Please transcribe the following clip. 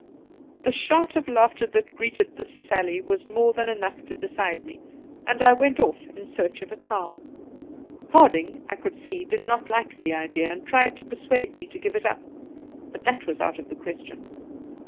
The shout of laughter that greeted this sally was more than enough to decide me, and I went off in search of a towel. Harding, I could see, did not like the idea, and tried to persuade me to give it up ; but that was out of the question.